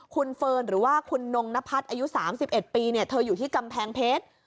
คุณเฟิร์นหรือว่าคุณนงนพัฒน์อายุ๓๑ปีเธออยู่ที่กำแพงเพชร